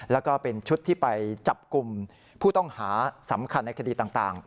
แล้วก็เป็นชุดที่ไปจับกลุ่มผู้ต้องหาสำคัญในคดีต่าง